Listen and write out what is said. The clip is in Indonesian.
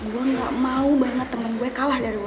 gue gak mau banget temen gue kalah dari wor